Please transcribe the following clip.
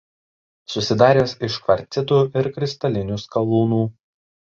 Susidaręs iš kvarcitų ir kristalinių skalūnų.